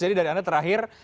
jadi dari anda terakhir